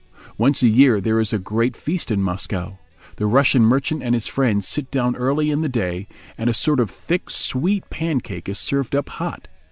Once a year there is a great feast in Moscow. The Russian merchant and his friends sit down early in the day, and a sort of thick, sweet pancake is served up hot.